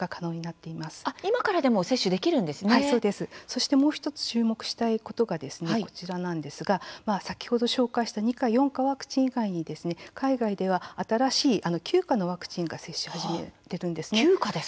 そしてもう１つ、注目したいことがこちらなんですが先ほど紹介した２価４価ワクチン以外に海外では新しい９価のワクチンが接種、始まっているんですね。